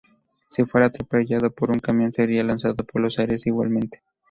Si fuera atropellado por un camión, sería lanzado por los aires igualmente.